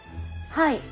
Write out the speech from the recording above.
はい。